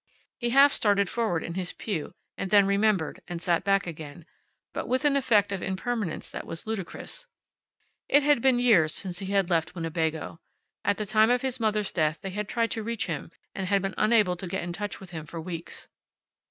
He half started forward in his pew, and then remembered, and sat back again, but with an effect of impermanence that was ludicrous. It had been years since he had left Winnebago. At the time of his mother's death they had tried to reach him, and had been unable to get in touch with him for weeks.